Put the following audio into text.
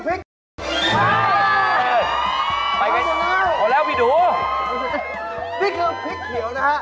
พริกเขียว๑กิโลกรัม